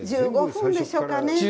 １５分でしょうかね。